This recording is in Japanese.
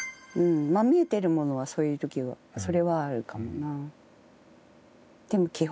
見えてるものはそういう時はそれはあるかもな。